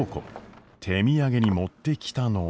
手土産に持ってきたのは。